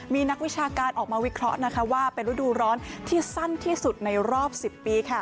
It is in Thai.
มีนักวิชาการออกมาวิเคราะห์ว่าเป็นฤดูร้อนที่สั้นที่สุดในรอบ๑๐ปี